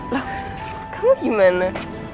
lah kamu gimana